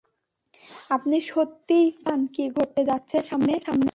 আপনি সত্যিই জানতে চান কী ঘটতে যাচ্ছে সামনে?